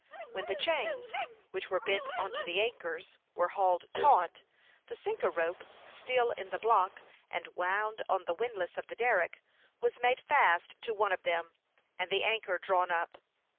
When the chains which were bent on to the anchors had been hauled taut, the sinker rope, still in the block, and wound on the windlass of the derrick, was made fast to one of them, and the anchor drawn up.